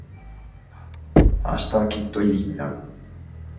明日はきっといい日になる。